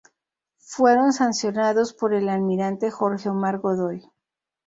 Fueron sancionados por el almirante Jorge Omar Godoy.